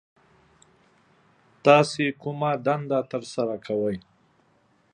تاسو کومه دنده ترسره کوي